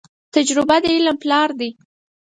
تجربه د علم پلار دي.